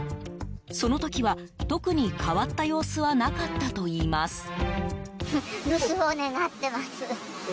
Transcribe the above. その時は、特に変わった様子はなかったといいます。